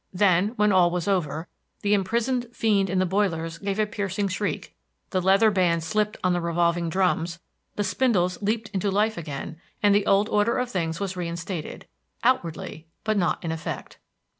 Then, when all was over, the imprisoned fiend in the boilers gave a piercing shriek; the leather bands slipped on the revolving drums, the spindles leaped into life again, and the old order of things was reinstated, outwardly, but not in effect.